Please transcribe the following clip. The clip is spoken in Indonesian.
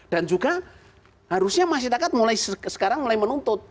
dan juga harusnya masyarakat mulai sekarang mulai menuntut